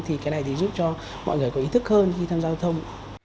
thì cái này thì giúp cho mọi người có ý thức hơn khi tham gia giao thông